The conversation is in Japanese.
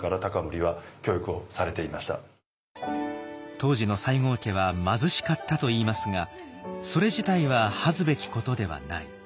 当時の西郷家は貧しかったといいますがそれ自体は恥ずべきことではない。